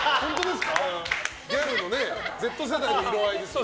ギャルのねＺ世代の時代ですよ。